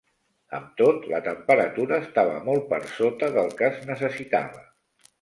Amb tot, la temperatura estava molt per sota del que es necessitava.